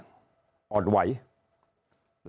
และความไม่แน่นอนจากหลายปัจจัย